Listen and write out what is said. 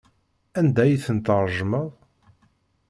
Anda ay ten-tṛejmeḍ?